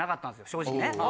正直ね。